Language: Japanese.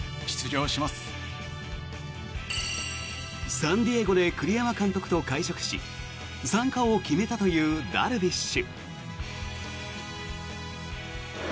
サンディエゴで栗山監督と会食し参加を決めたというダルビッシュ。